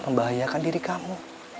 membahayakan diri kamu